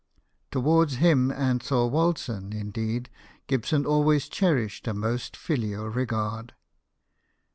Towards him and Thorwaldsen, indeed, Gibson always cherished a most filial regard.